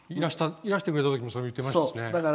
いらしてくれたとき言ってましたね。